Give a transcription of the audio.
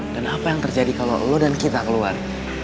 dan apa yang terjadi kalo lo dan kita keluar